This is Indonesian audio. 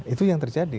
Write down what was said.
itu yang terjadi